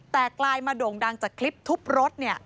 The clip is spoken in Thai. แต่กลายมาโด่งดังจากคลิปทุบรถ